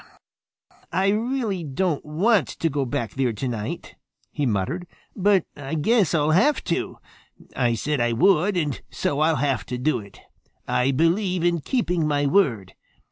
"I really don't want to go back there tonight," he muttered, "but I guess I'll have to. I said I would, and so I'll have to do it. I believe in keeping my word.